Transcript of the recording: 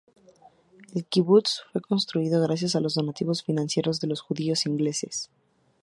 El kibutz fue construido gracias a los donativos financieros de los judíos ingleses.